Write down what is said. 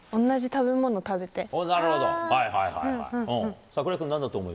同じ食べ物食べて。